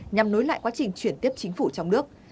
nhằm nối lại quá trình chuyển tiếp chính phủ trong nước